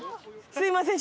すみません